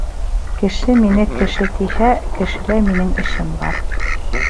Кеше мине кеше тиһә -Кешелә минең эшем бар.